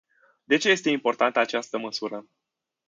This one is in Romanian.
De ce este importantă această măsură?